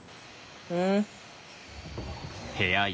うん？